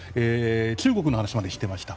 中国の話までしていました。